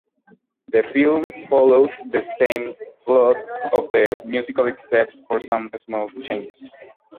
The film follows the same plot of the musical except for some small changes.